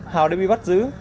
hào đã bị bắt giữ